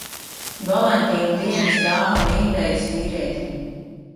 Valentīna dienas dāvanu idejas vīrietim.